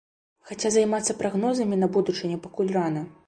Хаця займацца прагнозамі на будучыню пакуль рана.